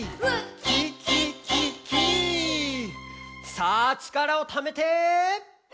「さあちからをためて！」